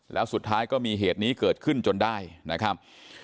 แล้วสุดท้ายก็มีเหตุนี้เกิดขึ้นจนได้นะครับ